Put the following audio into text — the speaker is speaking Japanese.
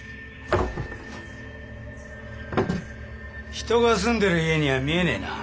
人が住んでる家には見えねえな。